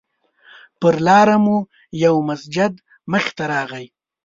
پر لاره مو یو مسجد مخې ته راغی.